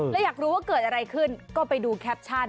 แล้วอยากรู้ว่าเกิดอะไรขึ้นก็ไปดูแคปชั่น